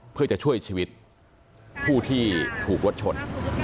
เพื่อจะช่วยชีวิตผู้ที่ถูกรถชน